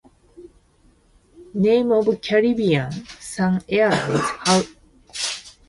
The name Caribbean Sun Airlines, however, is still the legal name of World Atlantic.